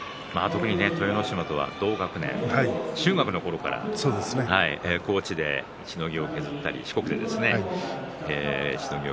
豊ノ島は同学年、中学校のころから高知でしのぎを削った、四国でですね